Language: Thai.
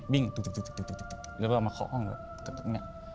บิ่งแล้วว่ามาเคาะห้องแบบนี้